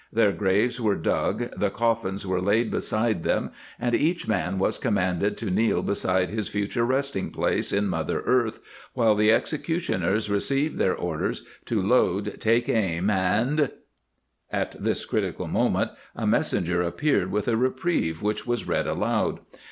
Their graves were dug, the coffins were laid beside them, and each man was commanded to kneel beside his future resting place in mother earth while the execu tioners received their orders to load, take aim and At this critical moment a messenger appeared with a reprieve which was read aloud.